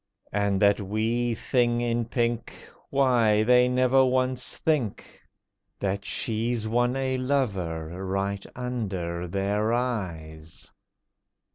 And that wee thing in pink— Why, they never once think That she's won a lover right under their eyes.